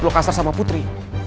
belok kasar sama putri